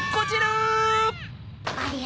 ありゃ。